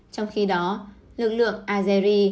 trong khi đó lực lượng azeri